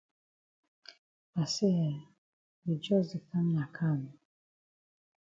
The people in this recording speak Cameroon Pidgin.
I say eh, you jus di kam na kam?